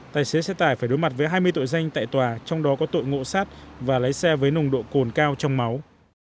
tài xế xe tải phải đối mặt với hai mươi tội danh tại tòa trong đó có tội ngộ sát và lấy xe với nồng độ cồn cao trong máu